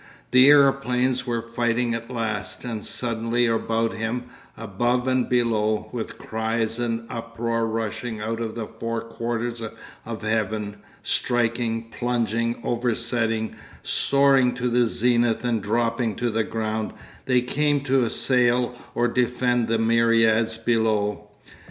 The aeroplanes were fighting at last, and suddenly about him, above and below, with cries and uproar rushing out of the four quarters of heaven, striking, plunging, oversetting, soaring to the zenith and dropping to the ground, they came to assail or defend the myriads below.